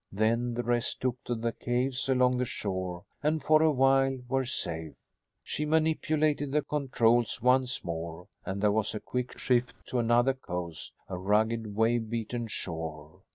Then the rest took to the caves along the shore, and for a while were safe." She manipulated the controls once more and there was a quick shift to another coast, a rugged, wave beaten shore.